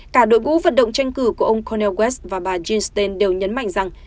cả đội bú vận động tranh cử của ông cornel west và bà jean stein đều nhấn mạnh rằng